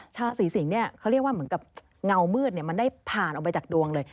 ราศีสิงศ์เนี่ยเขาเรียกว่าเหมือนกับเงามืดมันได้ผ่านออกไปจากดวงเลย